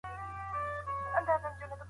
کارکوونکو وويل چي هڅه کوي.